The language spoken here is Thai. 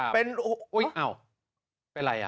อุ๊ยเป็นอะไร